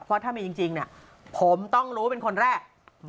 เพราะถ้ามีจริงเนี่ยผมต้องรู้เป็นคนแรก